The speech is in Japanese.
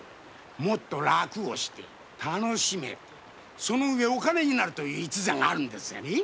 もっと楽をして楽しめてその上お金になるという一座があるんですがね。